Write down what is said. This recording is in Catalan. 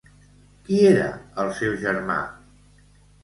Qui era el seu germà?